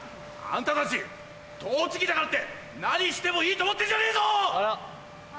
あんたたち栃木だからって何してもいいと思ってんじゃねえぞ！